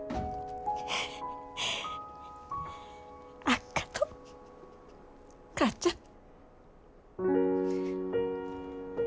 あっがとう母ちゃん。